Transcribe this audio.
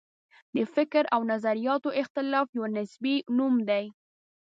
د فکر او نظریاتو اختلاف یو نصبي نوم دی.